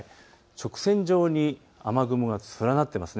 直線状に雨雲が連なっています。